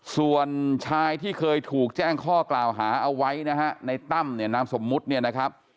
ส่วนชายที่เคยถูกแจ้งข้อกล่าวหาเอาไว้นะฮะในตั้มเนี่ยนามสมมุติเนี่ยนะครับ